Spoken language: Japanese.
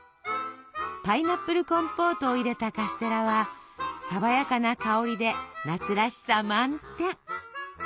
パイナップルコンポートを入れたカステラは爽やかな香りで夏らしさ満点。